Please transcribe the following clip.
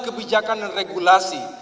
kebijakan dan regulasi